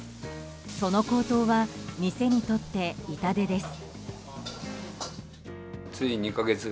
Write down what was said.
その高騰は店にとって痛手です。